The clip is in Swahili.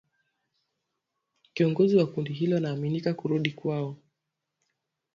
Kiongozi wa kundi hilo anaaminika kurudi kwao